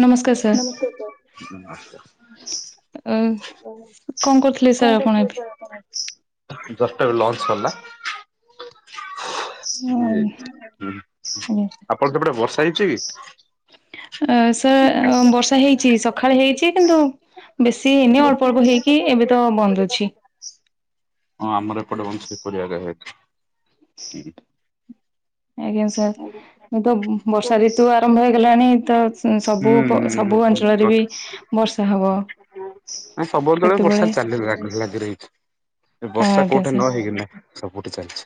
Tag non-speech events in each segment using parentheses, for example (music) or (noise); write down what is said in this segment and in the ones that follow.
ନମସ୍କାର (unintelligible) ଆ କଣ କରୁଥିଲେ ସାର୍ ଆପଣ ଏବେ? ଜଷ୍ଟ ଏବେ ଲଞ୍ଚ ସଲା। ଆପଣ ସେପଟେ ବର୍ଷା ହେଇଛି କି? ଅ ସେ ବର୍ଷା ହେଇଛି ସକାଳେ ହେଇଛି କିନ୍ତୁ ବେଶୀ ଏନି ଅଳ୍ପ ଅଳ୍ପ ହେଇକି ଏବେ ତ ବନ୍ଦ ଅଛି। ହଁ ଆମର ଏପଟେ (unintelligible) ଆଜ୍ଞା ସାର୍ ମୁଁ ତ ବର୍ଷା ଋତୁ ଆରମ୍ଭ ହେଇଗଲାଣି ତ ସବୁ ସବୁ ଅଞ୍ଚଳରେ ବି ବର୍ଷା ହବ। ସବୁ ତେଳେ ବର୍ଷା କେତେବେଳେ ଚାଲିଲା ଲାଗି ରହିଛି ବର୍ଷା ଆଜ୍ଞା କୋଉଠି ସାର୍ ନ ହେଇକିନା ସବୁଠି ଚାଲିଛି।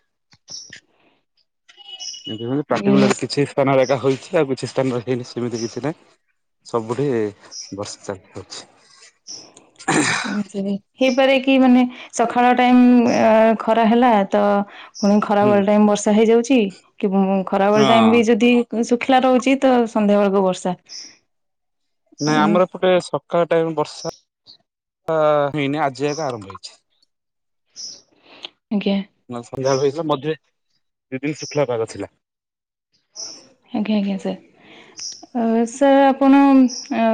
ଆଜ୍ଞା ସାର୍। (unintelligible) କିଛି ସ୍ଥାନରେ ଏକା ହେଇଛି ଆଉ କିଛି ସ୍ଥାନ ର ହେଇନି ସେମିତି କିଛି ନାହିଁ। ସବୁଠି ବର୍ଷା ଚାଲିଅଛି। ହ ହେଇପାରେ କି ମାନେ ସକାଳ ଟାଇମ ଖରା ହେଲା ତ। ପୁଣି ଖରା ହୁଁ ବେଳେ ଟାଇମ ବର୍ଷା ହେଇଯାଉଛି କି ଖରାବେଳେ ହଁ। ଟାଇମ ବି ଯଦି ଶୁଖିଲା ରହୁଛି ତ ସନ୍ଧ୍ୟା ବେଳକୁ ବର୍ଷା ନାଇଁ ଆମର ଏପଟେ ସକାଳ ଟାଇମ ବର୍ଷା ହେଇନି ଆଜି ଯାକ ଆରମ୍ଭ ହେଇଛି। ଆଜ୍ଞା। ନା ସନ୍ଧ୍ୟାବେଳେ ହେଇଥିଲା ମଝିରେ ଦି ଦିନ ଶୁଖିଲ ପାଗ ଥିଲା। ଆଜ୍ଞା ଆଜ୍ଞା ସାର୍। ଅ ସାର୍ ଆପଣ ଅ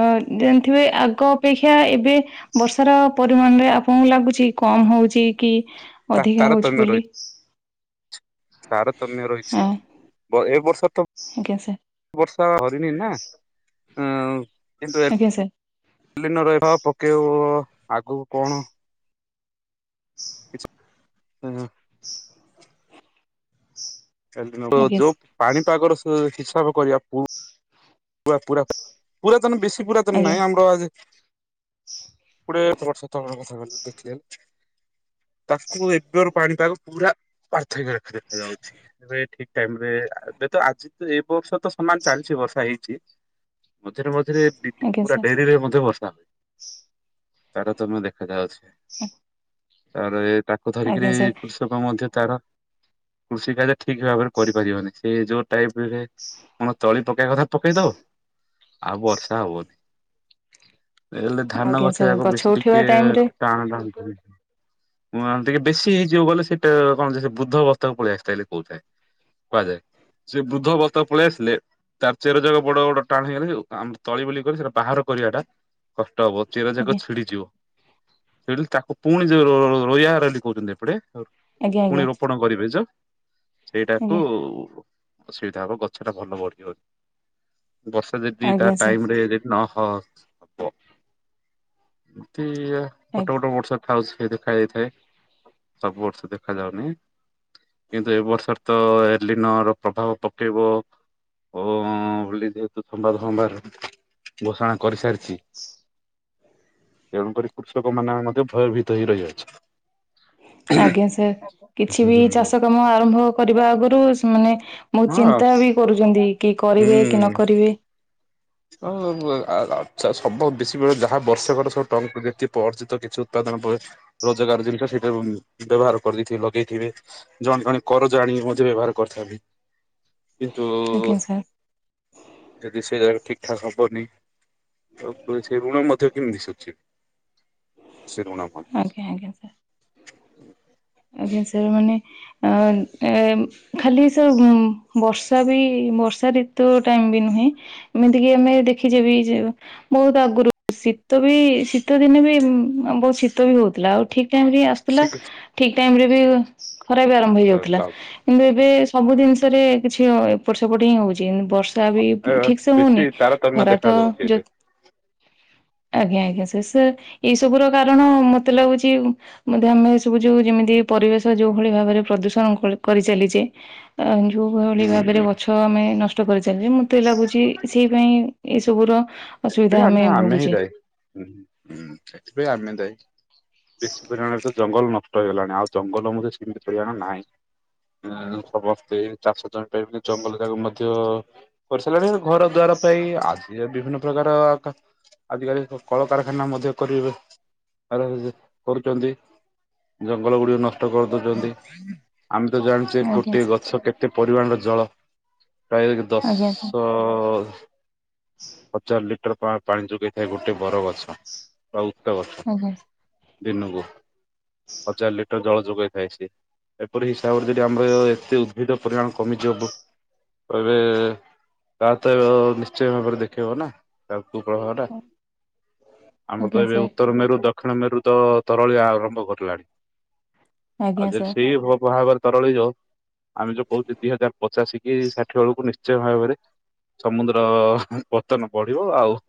ଯାଣିଥିବେ ଆଗ ଅପେକ୍ଷା ଏବେ ବର୍ଷାର ପରିମାଣରେ ଆପଣଙ୍କୁ ଲାଗୁଛି କମ ହଉଛି କି ଅଧିକା ହଉଛି ତାରତମ୍ୟ ବୋଲି। ରହିଛି ତାରତମ୍ୟ ରହିଛି ହଁ ଏ ବର୍ଷ ତ ଆଜ୍ଞା ସାର୍ ବର୍ଷା ଧରିିନି ନା। ଆଜ୍ଞା ସାର୍ କଲିିନ ରହିବା ପକେଇବ ଆଗକୁ କଣ। କିଛି (inaudible) ଆଜ୍ଞା ଯୋଉ ପାଣିପାଗର ହିସାବ କରିବା। ପୁରା ପୁରା ପୁରାତନ ବେଶୀ ପୁରାତନ ଆଜ୍ଞା ନାଇଁ ଆମର ଆଜି (unintelligible) ତାକୁ ଏବେର ପାଣିପାଗ ପୁରା ପାର୍ଥକ୍ୟ ରଖା ଦେଖା ଯାଉଛି। ଏବେ ଠିକ ଟାଇମରେ ଏବେ ତ ଆଜି ତ ଏ ବର୍ଷ ତ ସମାନ ଚାଲିଛି ବର୍ଷା ହେଇଛି। ମଝିରେ ମଝିରେ ଆଜ୍ଞା ପୁରା ସାର୍ ଡେରିରେ ମଧ୍ୟ ବର୍ଷା ହୁଏ। ତାରତମ୍ୟ ଦେଖାଯାଉଛି। ହ ତାର ତାକୁ ଧରିକିରି ସାର୍ କୃଷକ ମଧ୍ୟ ତାର କୃଷି କାର୍ଯ୍ୟ ଠିକ ଭାବରେ କରିପାରିବନି ସେ ଯୋଉ ଟାଇପ ରେ କଣ ତଳି ପକେଇବା କଥା। ପକେଇ ଦବ ଆଉ ବର୍ଷା ହବନି। ହେଲେ ଧାନ ଆଜ୍ଞା ଗଛ ସାର୍ ଯାକ ବେଶୀ ଟିକେ ଉଠିବା ଟାଇମ ରେ ଟାଣ ଟାନ୍ତୁ ହ ଟିକେ ବେଶୀ ହେଇଯିବ ବୋଲେ ସେଟା କଣ ବୁଦ୍ଧବସ୍ଥାକୁ ପଳେଇଆସିଥାଏ ବୋଲି କହୁଥାଏ। କୁହାଯାଏ ସେ ବୃଦ୍ଧ ଅବସ୍ଥାକୁ ପଳେଇ ଆସିଲେ ତାର ଚେର ଯାକ ବଡ ବଡ ଟାଣ ହେଇଗଲେେ ତଳି ବେଳି କରି ସେଟା ବାହାର କରିବାଟା କଷ୍ଟ ହବ ଚେର ଯାକ ଆଜ୍ଞା ଛିଡିଯିବ। ସେ ତାକୁ ପୁଣି ଯଉ ର ରୋୟାରେଲି ଏପଟେ ଆଜ୍ଞା ଆଜ୍ଞା ପୁଣି ଆପଣ କରିବେ ଯେ ସେଇଟାକୁ ଆଜ୍ଞା ଅସୁବିଧା ହବ ଗଛ ଟା ଭଲ ବଢିିବନି। ବର୍ଷା ଯଦି ତା ଆଜ୍ଞା ଟାଇମ ସାର୍ ରେ ଯଦି ନହ କୋଟ କଟଟପ ବର୍ଷା ଆଉ ସେ ଦେଖା ଯାଇଥାଏ। ସବୁ ବର୍ଷ ଦେଖା ଯାଉନି। କିନ୍ତୁ ଏବ ବର୍ଷର ତ ଏଲିନ ର ପ୍ରଭାବ ପକେଇବ ଓ ହଁ ବୋଲି ଯେହେତୁ ସମ୍ବାଦ ସମ୍ବାଦ ଘୋଷଣା କରିସାରିଚି ତେଣୁକରି କୃଷକ ମାନେ ମଧ୍ୟ ଭୟଭୀତ ହେଇ ରହିଅଛି। ଆଜ୍ଞା ସାର୍। କିଛି ବି ଚାଷ କାମ ଆରମ୍ଭ କରିବା ଆଗରୁ ସେମାନେ ହଁ ବହୁତ୍ ଚିନ୍ତା ବି କରୁଚନ୍ତି କି କରିବେ କି ନ କରିବେ ହ ଆଛ ସବୁ ବେଶୀ ବଳେ ଯାହା ବର୍ଷେକର ସବୁ ଟଙ୍କା ଯେ ଅର୍ଜିତ କିଛି ଉତ୍ପାଦନ ପରେ ରୋଜଗାର ଜିନିଷ ସେଇଟା ବ୍ୟବହାର କରିଦେଇଥିବେ ଲଗେଇଥିବେ। ଜଣେ ଜଣେ କରଜ ଆଣିକି ମଧ୍ୟ ବ୍ୟବହାର କରିଥାନ୍ତି। କିନ୍ତୁ ଆଜ୍ଞା ସାର୍ ଯଦି ସେ ଜାଗାରେ ଠିକ ଠା ହବନି ତ ସେ ଋଣ ମଧ୍ୟ କେମିତି ସୁଝିବେ? ଶିରୋଣାନାମ (inaudible) ଆଜ୍ଞା ଆଜ୍ଞା ସାର୍। ଆଜ୍ଞା ସାର଼ମାନେ ଅ ଏ ଖାଲି ସା ବର୍ଷା ବି ବର୍ଷା ଋତୁ ଟାଇମ୍ ବି ନୁହେଁ ଏମିତିକି ଆମେ ଦେଖିଚେ ବି ଯେ ବହୁତ ଆଗରୁ ଶୀତ ବି ଶୀତ ଦିନେ ବି ବହୁତ ଶୀତ୍ ବି ହଉଥିଲା। ଆଉ ଠିକ ଟାଇମ ବି ଆସୁଥିଲା ଠିକ ଟାଇମ ରେ ବି ଖରା ବି ଆରମ୍ଭ ହେଇଯାଉଥିଲା କିନ୍ତୁ ଏବେ ସବୁ ଜିନିଷରେ କିଛି ଏପଟ ସେପଟ ହିଁ ହଉଚି। ବର୍ଷା ବି ଠିକ୍ ସେ ବେଶୀ ହଉନି ତାରତମ୍ୟ ଖରା ଦେଖା ତ ଦଉଛି ଯୋ ଏବେ। ଆଜ୍ଞା ଆଜ୍ଞା ସେ ସେ ଏଇ ସବୁର କାରଣ ମତେ ଲାଗୁଚି ବୋଧେ ଆମେ ଏ ସବୁ ଯୋଉ ଯେମିତି ପରିବେଶ ଯୋଉ ଭଳି ଭାବରେ ପ୍ରଦୂଷଣ କରିଚାଲିଚି ଆ ଯୋଉଭଳି ଭାବରେ ଗଛ ଆମେ ନଷ୍ଟ ନଷ୍ଟ କରିଚାଲିଚେ ମତେ ଲାଗୁଚି ସେଇ ପାଇଁ ଏଇ ସବୁର ସେଥିପାଇଁ ଅସୁବିଧା ଆମେ ହିଁ ଭୋଗୁଚେ। ଦାୟୀ। ହୁଁ ସେଥିପାଇଁ ଆମେ ଦାୟୀ। ବେଶୀ ପରିମାଣରେ ତ ଜଙ୍ଗଲ ନଷ୍ଟ ହେଇଗଲାଣି ଆଉ ଜଙ୍ଗଲ ମଧ୍ୟ ସେମିତି ପରିମାଣ ନାହିଁ। ଆ ସମସ୍ତେ ଚାଷ ଜମି ପାଇିଁ ବନ ଜଙ୍ଗଲ ଯାକ ମଧ୍ୟ କରିସାରିଲେଣି ଆ ଘର ଦ୍ୱାର ପାଇଁ ଆଜି ବିଭିନ୍ନ ପ୍ରକାର ଆଜିକାଲି ସବୁ କଳକାରଖାନା ମଧ୍ୟ କରିବେ। ଆରେ କରୁଚନ୍ତି ଜଙ୍ଗଲ ଗୁଡିକ ନଷ୍ଟ ନଷ୍ଟ କରିଦଉଚନ୍ତି। ଆମେ ତ ଜାଣିଚେ ଆଜ୍ଞା ଗୋଟିଏ ଗଛ କେତେ କେତେ ପରିମାଣର ଜଳ ପ୍ରାୟ ଆଜ୍ଞା ସାର୍ ଦଶ ହଜାର ଲିଟର ପା-ପାଣି ଯୋଗେଇଥାଏ ଗୋଟେ ବର ଗଛ ବା ଓସ୍ତ ଗଛ। ଆଜ୍ଞା। ଦିନକୁ ହଜାର ଲିଟର ଜଳ ଯୋଗାଇ ଥାଏ ସେ। ଏପରି ହିସାବରେ ଯଦି ଆମର ଏତେ ଉଦ୍ଭିଦ ପରିମାଣ କମିଯିବ ବ ଏବେ ତାତ ନିଶ୍ଚୟ ଭବରେ ଦେ ଦେଖେଇବା ତା କୁପ୍ରଭାବ ଟା। ଆମର ତ ଆଜ୍ଞା ଏବେ ସାର୍ ଉତ୍ତର ମେରୁ ଦ ଦକ୍ଷିଣ ମେରୁ ତ ତରଳିଆ ଆରମ୍ଭ କରିଲାଣି। ଆଉ ଆଜ୍ଞା ଯଦି ସାର୍ ସେଇ ଭ ଭାବରେ ତରଳିବ ଆମେ ଯୋଉ କହୁଚେ ଦି ହଜାର ପଚାଶ କି ଷାଠିଏ ବେଳକୁ ନିଶ୍ଚୟ ଭାବରେ ସମୁଦ୍ର ପତନ ବଢିବ ଆଉ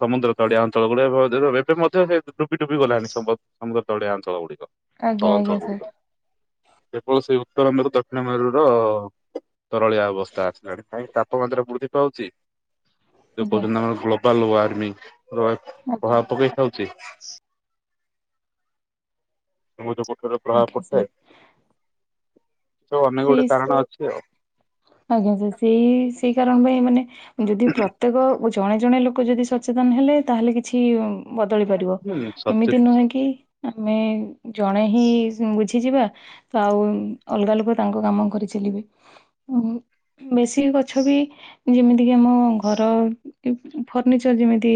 ସମୁଦ୍ର ତଳିଆ ଅଞ୍ଚଳ ଗୁଡେ ଏବେ ମଧ୍ୟ ସେ ଡୁବି ଡୁବି ଗଲାଣି ସମୁଦ୍ର ତଳିଆ ଅଞ୍ଚଳ ଗୁଡିକ। ଆଜ୍ଞା ତଳ ଆଜ୍ଞା ଅଁଚଳ ସାର୍ ଗୁଡିକ। କେବଳ ସେଇ ଉତ୍ତର ମମେରୁ ଦକ୍ଷିଣ ମେରୁର ତରଳିଆ ଅବସ୍ଥା ଆସିଲାଣି କାହିଁ ତାପମାତ୍ରା ବୃଦ୍ଧି ପାଉଚି ଯ ଆଜ୍ଞା କହୁଛନ୍ତି ଆମର ଗ୍ଲୋବାଲ ୱାର୍ମିଂ ଆଜ୍ଞା ପ୍ରଭାବ ପକେଇଥାଉଚି ସମୂଦ୍ୱ ପ୍ରଭାବ ଆଜ୍ଞା ପଡିଥାଏ ସାର୍ ଏ ଅନେକ ଗୋଟେ ସେଇ କାରଣ ଅଛି ଆଉ। ଆଜ୍ଞା ଯଦି ସେଇ କାରଣ ପାଇଁ ମାନେ ଯଦି ପ୍ର ପ୍ରତ୍ୟେକ ଜଣେ ଜଣେ ଲୋକ ଯଦି ସଚେତନ ହେଲେ ତାହେଲେ କିଛି ବଦଳି ପାରିବ ହୁଁ ସଚେତ ଏମିତି ନୁହେଁ କି ଆମେ ଜଣେ ହିଁ ବୁଝିଯିବା। ଆଉ ଅଲଗା ଲୋକ ତାଙ୍କ କାମ କରି ଚାଲିବେ। ଓ ହୋ ମେସିନ ଗଛ ବି ଯେମିତି କିି ଆମ ଘର ଫର୍ଣ୍ଣିିଚର ଯେମିତି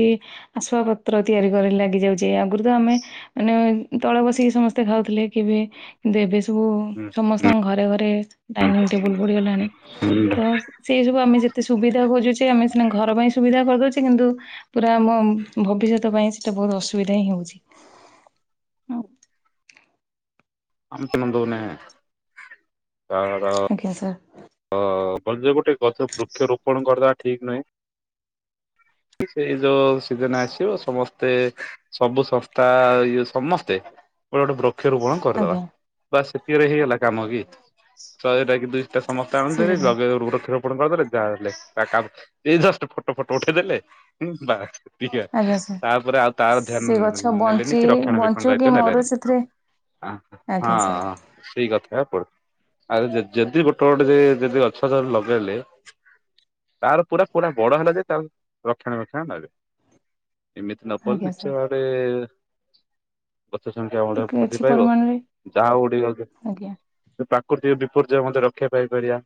ଆସୁଆ ପତ୍ର ତିଆରି କରି ଲାଗି ଯାଉଛି ଆଗରୁ ତ ଆମେ ମାନେ ତଳ ବସିକି ସମସ୍ତେ ଖାଉଥିଲେ କେବେ ଦେବେ ସବୁ ସମସ୍ତଙ୍କ ଘରେ ଘରେ ଡାଇନିଂ ଟେବୁଲ ପଡିିଗଲାଣି। ହୁଁ। ଅ ସେ ସବୁ ଆମେ ଯେତେ ସୁବିଧା ଖୋଜୁଛେ ଆମେ ସିନା ଘର ପାଇଁ ସୁବିଧା କରିଦଉଛେ କିନ୍ତୁ ପୁରା ଆମ ଭବିଷ୍ୟତ ପାଇଁ ସେଟା ବହୁତ ଅସୁବିଧା ହିଁ ହେଉଛି। (unintelligible) (unintelligible) ଆଜ୍ଞା ସାର୍। ଅ ଯ୍ବ ଗୋଟେ ଗଛ ବୃକ୍ଷରୋପଣ କରିଦବା ଠିକ ନାହିଁ। ସେ ଯୋ ସିଜନ ଆସିବ ସମସ୍ତେ ସବୁ ସଂସ୍ତା ଆ ଇ ସମସ୍ତେ ଗୋଟେ ଗୋଟେ ବୃକ୍ଷରୋପଣ କରିଦେବା ଆଜ୍ଞା ଵାସ ସେଥିରେ ହେଇଗଲା ଆଜ୍ଞା କାମ କି ଆଜ୍ଞା ଶହେଟା କି ଦିସଟା ତା ସେଇ ଅନୁଶାରେ କଥା ଲଗେଇ ବୃକ୍ଷରୋପଣ କରିଦେଲେ ଯାହା ହେଲେ ତା କାମ ଏଇ ଜଷ୍ଟ ଫଟ ଫଟୋ ଉଠେଇଦେଲେ ବାସ। ଠିକ୍ ହେ ଆଜ୍ଞା ସାର୍। ତାପରେ ଆଉ ତାର ଧ୍ୟାନ ସେ ନ ଗଛ ନ ନେଲେନି ବଞ୍ଚି କି ରକ୍ଷଣା ବେକ୍ଷଣ ବଞ୍ଚୁ କି ଦାୟିତ୍ଵ ମରୁ ନେଲେନି। ସେଥିରେ ଆଁ ଆଜ୍ଞା ହଁ ସାର୍ ସେଇ କଥା ପଡିଚି ଆଉ ଯ ଯଦି ଗୋଟେ ଗୋଟ ଗୋଟେ ଯେ ଯଦି ଗଛ ତ ଲଗେଇଲେ ତାର ପୁରା ପୁରା ବଡ ହେଲା ଯାଇଁ ତାର ରକ୍ଷଣାବେକ୍ଷଣ ନେବେ। ଏମିତି ନପଲେ ଆଜ୍ଞା ନିଶ୍ଚୟ ସାର୍ ଭାବରେ ଗଛ ସଂଖ୍ୟା ଅଡେ ତ ବୃଦ୍ଧି କିଛି ପାଇବ ପରିମାଣରେ ଯାହା ହଉଠିକ ଆଜ୍ଞା ପ୍ରାକୃତିକ ବିପର୍ଯ୍ୟୟ ମଧ୍ୟେ ରକ୍ଷା ପାଇପାରିବା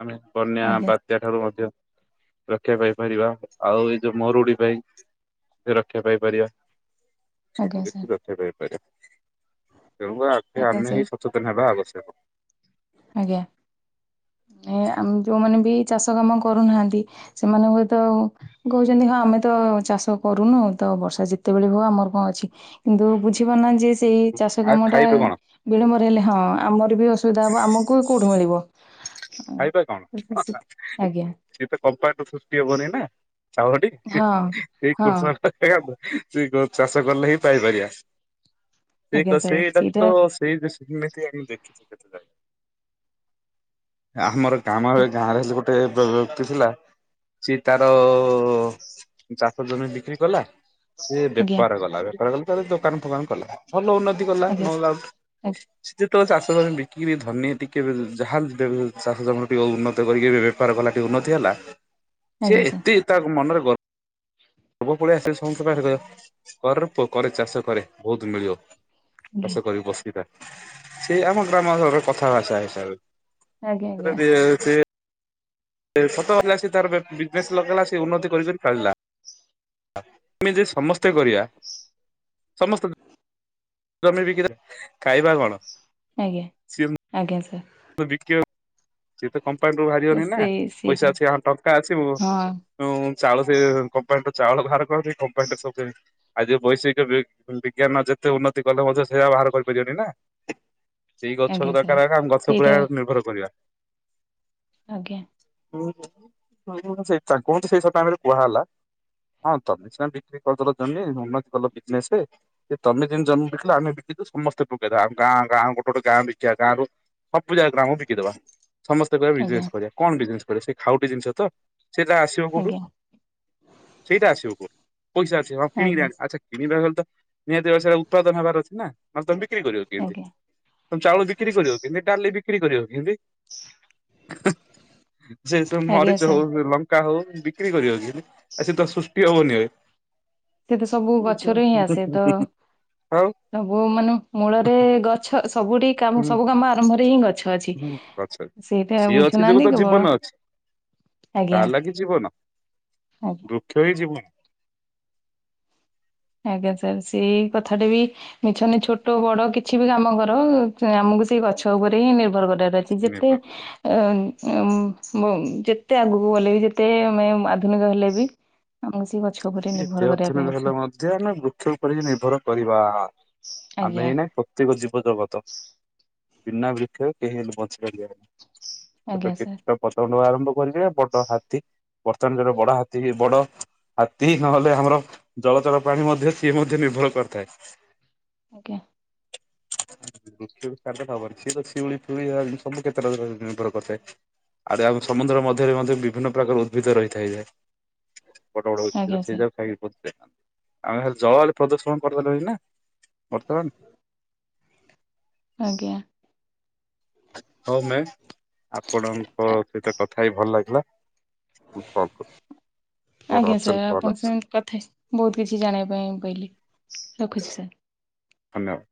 ଆମେ ବନ୍ୟା ଆଜ୍ଞା ବା ତା ଠାରୁ ମଧ୍ୟ ରକ୍ଷା ପାଇପାରିବା ଆଉ ଏଇ ଯୋଉ ମରୁଡି ପାଇଁ ସୁରକ୍ଷା ପାଇପାରିବା। ଆଜ୍ଞା ସେଥିଯୋଗୁ ସାର୍ ରକ୍ଷାପାଇପାରିବା ତେଣୁ ଆଗ ଆଜ୍ଞା ଆମେ ହିଁ ସାର୍ ସଚେତନ ହେବା ଆବଶ୍ୟକ। ଆଜ୍ଞା ଇ ଆମ୍ ଯୋଉମାନେ ବି ଚାଷ କାମ କରୁନାହାନ୍ତି ସେମାନେ ହୁଏତ କହୁଛନ୍ତି ହଁ ଆମେ ତ ଚାଷ କରୁନୁ ତ ବର୍ଷା ଯେତେବେଳେ ହୁଅ ଆମର କଣ ଅଛି। କିନ୍ତୁ ବୁଝିପାରୁ। ନାହାଁନ୍ତି ଯେ ସେଇ ଚାଷ ଆଉ କାମ ଟା ଖାଇବେ କଣ ବିଳମ୍ବରେ ହେଲେ ହଁ ଆମର ବି ଅସୁବିଧା ହେବ ଆମକୁ କେଉଠୁ ମିଳିବ। ଖାଇବା କଣ? ଆଜ୍ଞା ସିଏ ତ କମ୍ପାନିରୁ ସୃଷ୍ଟି ହବନି ନା ଚାଉଳ ଟି ହଁ ସେଇ ହଁ କୃଷକ ସେଇଆକୁ ସେ ଗ ଚାଷ କଲେ ହିଁ ପାଇପାରିବା। ସେ ଆଜ୍ଞା ତ ସାର୍ ସେଇଟା ତ ସେଇ ସେମିତି ଆମେ ଦେଖିଛୁ କେତେଟା। ଆମର କାମ ଏ ଗାଁରେ ହେଲେ ଗୋଟେ ବ ବ୍ୟକ୍ତି ଥିଲା। ସିଏ ତାର ଚାଷ ଜମି ବିକ୍ରି କଲା। ସେ ଆଜ୍ଞା ବେପାର କଲା ବେପାର କଲେ ତାର ଦୋକାନ ଫୋକାନ କଲା ଭଲ ଉନ୍ନତି କଲା ଆଜ୍ଞା ନୋ ଡାଉଟ୍। ଆଜ୍ଞା ସିଏ ଯେତବେଳେ ଚାଷ ଜମି ବିକି କିରି ଧନୀ ଟିକେ ଯାହା (unintelligible) ଚାଷ ଜମି ବିକି ଟି ଉନତକରିକି ଏବେ ବେପାର କଲା ଟିକେ ଉନ୍ନତି ହେଲା ଆଜ୍ଞା ସିଏ ସାର୍ ଏତେ ତା ମନରେ ଗ ପୁଅ ପଳେ ଆସିବ ସମସ୍ତ ଙ୍କ ଆଗରେ କହିବ କରରେ ପୁଅ ଚାଷ କରେ ବହୁତ ମିଳିବ। ଆଜ୍ଞା ଚାଷ କରି ବସିଥା ସେ ଆମ ଗ୍ରାମରର କଥା ଭାଷା ହିସାବରେ। (unintelligible) ଆଜ୍ଞା ଆଜ୍ଞା ସତ ହେଲା ସେ ତାର ବେ ବିଜନେସ ଲଗେଇଲା ସେ ଉନ୍ନତି କରିିକରି ଚାଲିଲା। ଆମେ ଯେ ସମସ୍ତେ କରିବା ସମସ୍ତେ ଜମି ବିକି କିରି, ଖାଇବା କଣ? ଆଜ୍ଞା ଆଜ୍ଞା ସାର୍। ବିକ ସିଏ ତ କମ୍ପାନୀରୁୁ ବାହାରିବନି ନା ସେଇ ସେଇଟା ପଇସା ଅଛି ଟଙ୍କା ଅଛି ମୁ ହଁ ଉଁ ଚାଉଳ ସେ କମ୍ପାନୀ ଚାଉଳ ବାହାର କରନ୍ତି କମ୍ପାନୀରେ ସବୁ ଆଜି ବୈଷୟିକ ବିଜ୍ଞାନ ଯେତେ ଉନ୍ନତି କଲେ ମଧ୍ୟ ସେଇୟା ବାହାର କରିପାରିବନି ନା। ସେଇ ଗଛ ଆଜ୍ଞା ସାର୍ ଦରକାର ଆମ ଗଛ ପୁରା ସେଇଟା ନିର୍ଭର କରିବା। ଆଜ୍ଞା। ହୁଁ ତୁ ହୁଁ ସେଇ ତା କୁହନ୍ତୁ ସେଇ ତା ଆଗରେ କୁହା ହେଲା। ହଁ ତ ସେମାନେ ବିକ୍ରି କରିଦଲ ଜମି ଉନ୍ନତି କଲ ବିଜନେସ। ସେ ତମେ ଜେମି ଜନ୍ମ ବିକିଲ ଆମେ ବିକିବୁ ସମସ୍ତେ ପକେଇଦବା ଆଉ ଗାଁ ଗୋଟେ ଗୋଟେ ଗାଁ ବିକିବା ଗାଁରୁ ସବୁ ଜାଗା ଗ୍ରାମକୁ ବିକିଦବା ସମସ୍ତେ କହିବା ଆଜ୍ଞା ବିଜନେସ କରିବା କଣ ବିଜନେସ କରିବା ସେଇ ଖାଉଟି ଜିନିଷ ତ। ସେଇଟା ଆସିବ କୋଉଠୁ ଆଜ୍ଞା ସେଇଟା ଆସିବ କୋଉଠୁ ପଇସା ଅଛି ହଁ କିଣିକି ଆଜ୍ଞା ଆଣିବ ଆଚ୍ଛା କିଣିବା ବେଳେ ତ ନିହାତି ସେରା ଉତ୍ପାଦନ କରିବାର ଅଛି ନା ନହେଲେ ତମେ ବିକ୍ରି କରିବ କି କେମିତି। ଆଜ୍ଞା ତ ଚାଉଳ ବିକ୍ରି କରିବ କେମିତି ଡାଲି ବିକ୍ରି କରିବ କେମିତି? ଯେସ ଆଜ୍ଞା ମରି ଯାଉ ସାର୍ ପା ହଉ ବିକ୍ରି କରିବ କେମିତି ଆ ସେ ତ ସୃଷ୍ଟି ହବନି ଏ। ସେ ତ ସବୁ ଗଛରୁ ହିଁ ଆସେ ତ। ଆଉ ସବୁ ମାନେ ମୂଳରେ ଗଛ ସବୁରି କାମ ସବୁ କାମ ଆରମ୍ଭରେ ହିଁ ଗଛ। ଅଛି ହୁଁ ଗଛ ଅଛି। ସେଇଟା ସିଏ ଅଛି ଯୋଗୁ ବୁଝୁନାହାନ୍ତି ତ ଜୀବନ କେବଳ ଅଛି ତା ଆଜ୍ଞା ଲାଗି ଜୀବନ ଆଜ୍ଞା ବୃକ୍ଷ ହିଁ ଜୀବନ। ଆଜ୍ଞା ସାର୍ ସେଇ କଥାଟା ବି ମିଛ ନୁହେଁ ଛୋଟ ବଡ କିଛି ବି କାମ କର ଆମକୁ ସେଇ ଗଛ ଉପରେ ହିଁ ନିର୍ଭର କରିଆ। ଅଛି ଯେତେ ନିର୍ଭର ଯେତେ ଆଗକୁ ଗଲେ ବି ଯେତେ ମେ ଆଧୁନିକ ହେଲେ ବି ଆମକୁ ସେ ଗଛ ଉପରେ ନିର୍ଭର କରିବା ପାଇଁ ଅଛି। ଯେ ଆମେ ବୃକ୍ଷ ଉପରେ ନିର୍ଭର କରିବା ଆମେ ଆଜ୍ଞା ଏଇନେ ପ୍ରତ୍ୟକ ଜୀବ ଜଗତ ବିନା ବୃକ୍ଷରେ କେହି ହେଲେ ବଞ୍ଚିପାରିବେନାହିଁ। ଛୋଟ ଆଜ୍ଞା ସାର୍ କୀଟ ପତଙ୍ଗରୁ ଆରମ୍ଭ କରିକି ବଡ ହାତୀ। ବର୍ତ୍ତମାନ ଯୋଉଟା ବଡ ହାତୀ ବଡ ତି ନହେଲେ ଆମର ଜଳଚର ପ୍ରାଣି ମଧ୍ୟ ସିଏ ମଧ୍ୟ ନିର୍ଭର କରିଥାଏ। ଆଜ୍ଞା। ବୃକ୍ଷ ସାର ଦେଲେ ହବନି ସିଏ ତ ଶିଉଳି ଫିଉଳି ସବୁ କ୍ଷେତ୍ରରେ ନିର୍ଭର କରିଥାଏ। ଆରେ ଆମ ସମୁଦ୍ର ମଧ୍ୟରେ ମଧ୍ୟ ବିଭିନ୍ନ ପ୍ରକାର ଉଦ୍ଭିଦ ରହିଥାଏ ବଡ ବଡ। ଆଜ୍ଞା ସାର୍ (unintelligible) ଆମେ ହେଲେ ଜଳ ହେଲେ ପ୍ରଦୂଷଣ କରିଦେଲେ ନା ବର୍ତ୍ତମାନ। ଆଜ୍ଞା। ହଉ ମ୍ୟାମ୍ ଆପଣଙ୍କ ସହିତ କଥା ହେଇ ଭଲ ଲାଗିଲା। ମୁଁ କଲ୍ କର୍ ଆଜ୍ଞା ମୋର ସାର୍ ଅର୍ଜେଣ୍ଟ କଲ ଆପଣଙ୍କ ଅଛି। ସାଙ୍ଗେ କଥା ହେଇ ବହୁତ କିଛି ଜାଣିବା ପାଇଁ ପାଇଲିି ରଖୁଛି ସାର୍। ଧନ୍ୟବାଦ।